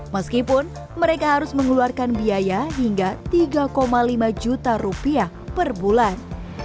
meskipun mereka harus mengeluarkan biaya hingga tiga lima juta rupiah per bulan